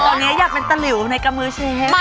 ตอนนี้อยากเป็นตะหลิวในกระมือเชฟ